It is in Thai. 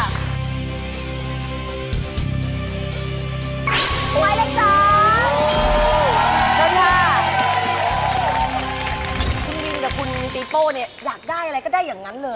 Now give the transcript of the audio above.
คุณวิงคุณติ้โต้อยากได้อะไรได้อย่างนั้นเลย